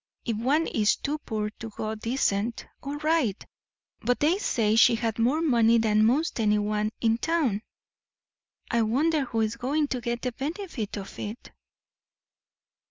If one is too poor to go decent, all right; but they say she had more money than most anyone in town. I wonder who is going to get the benefit of it?"